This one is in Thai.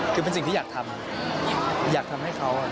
คือเป็นสิ่งที่อยากทำอยากทำให้เขา